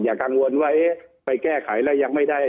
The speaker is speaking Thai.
กังวลว่าเอ๊ะไปแก้ไขแล้วยังไม่ได้